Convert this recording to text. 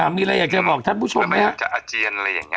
มีอะไรอยากจะบอกชมท่านผู้ชมเนี่ย